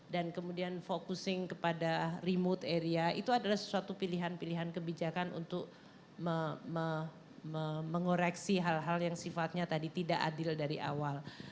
dan kemudian focusing kepada remote area itu adalah sesuatu pilihan pilihan kebijakan untuk mengoreksi hal hal yang sifatnya tadi tidak adil dari awal